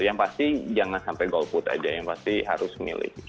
yang pasti jangan sampai golput aja yang pasti harus milih